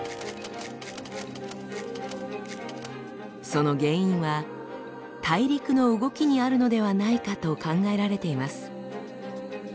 その原因は大陸の動きにあるのではないかと考えられています。